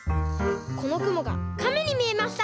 このくもがカメにみえました！